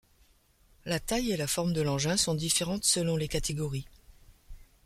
La taille et la forme de l'engin sont différentes selon les catégories.